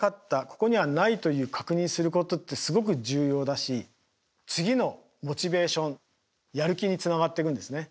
ここにはないという確認することってすごく重要だし次のモチベーションやる気につながっていくんですね。